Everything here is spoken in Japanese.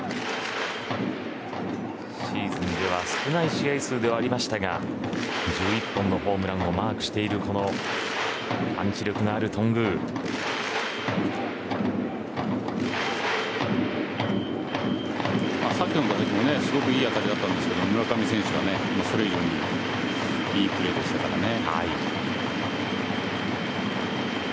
シーズンでは少ない試合数ではありましたが１１本のホームランをマークしている先の打席もすごくいい当たりだったんですけど村上選手がそれ以上にいいプレーでしたからね。